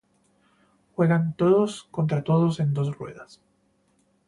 Juegan todos contra todos en dos ruedas.